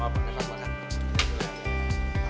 berapa menit kan makanya risetnya